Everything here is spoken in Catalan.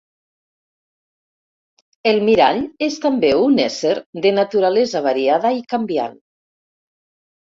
El mirall és també un ésser de naturalesa variada i canviant.